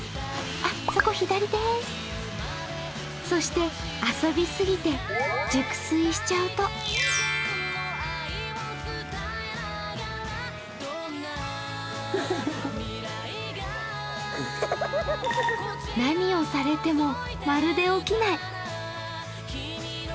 そして、遊びすぎて熟睡しちゃうと何をされてもまるで起きない。